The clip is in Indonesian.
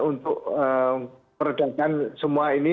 untuk peredakan semua ini